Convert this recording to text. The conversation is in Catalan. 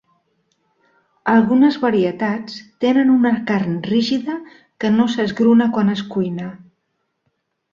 Algunes varietats tenen una carn rígida que no s'esgruna quan es cuina.